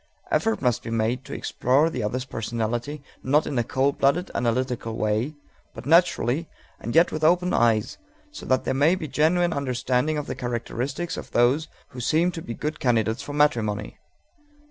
Effort must be made to explore the other's personality, not in a cold blooded, analytical way, but naturally and yet with open eyes, so that there may be genuine understanding of the characteristics of those who seem to be good candidates for matrimony.